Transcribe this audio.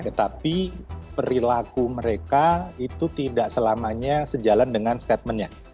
tetapi perilaku mereka itu tidak selamanya sejalan dengan statementnya